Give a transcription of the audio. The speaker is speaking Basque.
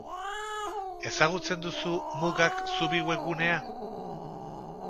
Ezagutzen duzu mugak zubi webgunea?